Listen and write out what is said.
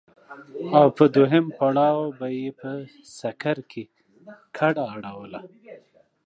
او په دوهم پړاو به يې په سکر کې کډه اړوله.